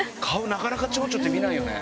なかなかチョウチョって見ないよね。